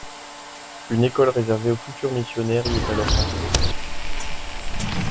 Une école réservée aux futurs missionnaires y est alors construite.